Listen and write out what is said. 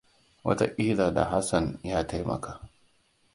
Wataƙila da Hassan ya taimaka.